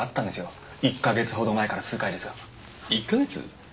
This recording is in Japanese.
１ヵ月ほど前から数回ですが１ヵ月？